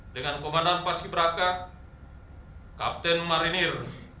dengan komandan paski beraka kapten marinir